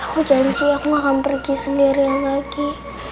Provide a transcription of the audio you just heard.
aku janji aku akan pergi sendirian lagi